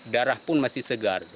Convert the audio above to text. darah pun masih segar